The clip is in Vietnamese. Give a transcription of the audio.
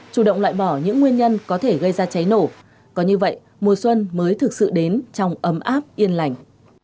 chủ động loại bỏ những nguyên nhân có thể gây ra cháy nổ có như vậy mùa xuân mới thực sự đến trong ấm áp yên lành